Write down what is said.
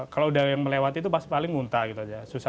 kalau udah yang melewati itu pasti paling muntah gitu aja susah